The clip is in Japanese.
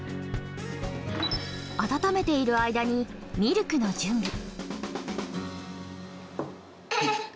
温めている間にミルクの準備。